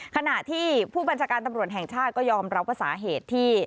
ขณะที่ผู้บัญชาการตำรวจแห่งชาติก็ยอมรับว่าสาเหตุที่